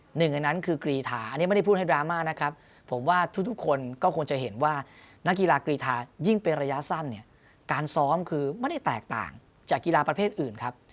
หนึ่งอันนั้นคือกรีธาอันนี้ไม่ได้พูดให้ดราม่านะครับผมว่าทุกคนก็คงจะเห็นว่านักกีฬากรีธายิ่งเป็นระยะสั้นเนี่ยการซ้อมคือไม่ได้แตกต่างจากกีฬาประเภทอื่นครับ